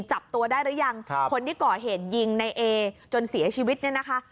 จับตัวได้หรือยังคนที่ก่อเหตุยิงในเอจนเสียชีวิตเนี่ยนะคะ